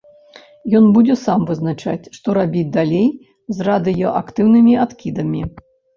Ён будзе сам вызначаць, што рабіць далей з радыеактыўнымі адкідамі.